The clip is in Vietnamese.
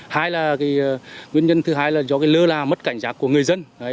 hai là nguyên nhân thứ hai là do lơ là mất cảnh giác của người dân